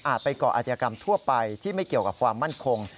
ไปก่ออาจยากรรมทั่วไปที่ไม่เกี่ยวกับความมั่นคง